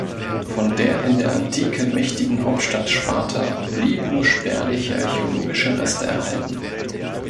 Von der in der Antike mächtigen Hauptstadt Sparta blieben nur spärliche archäologische Reste erhalten.